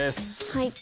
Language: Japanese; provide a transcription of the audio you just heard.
はい。